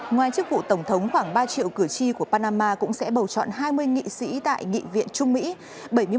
ngoài chức vụ tổng thống khoảng ba triệu cử tri của panama cũng sẽ bầu chọn hai mươi nghị sĩ tại nghị viện trung mỹ